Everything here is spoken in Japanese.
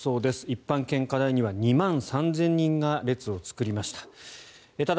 一般献花台には２万３０００人が列を作りました。